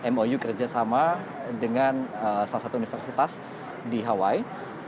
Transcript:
mou kerjasama dengan salah satu universitas di hawaii